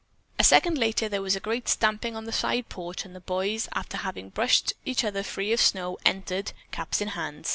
A second later there was a great stamping on the side porch and the boys, after having brushed each other free of snow, entered, caps in hand.